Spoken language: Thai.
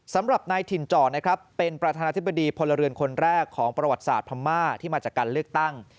สำหรับนายถิ่นจ่อนะครับเป็นประธานาธิบดีพลเรือนคนแรกของประวัติศาสตร์พม่าที่มาจากการเลือกตั้ง